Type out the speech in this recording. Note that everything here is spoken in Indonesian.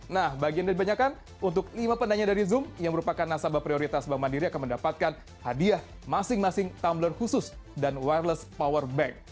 nah bagian dari banyakkan untuk lima penanya dari zoom yang merupakan nasabah prioritas bank mandiri akan mendapatkan hadiah masing masing tumbler khusus dan wereless power bank